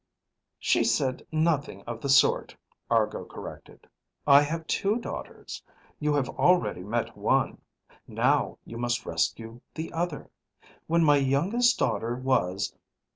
"She said nothing of the sort," Argo corrected. "I have two daughters. You have already met one. Now you must rescue the other. When my youngest daughter was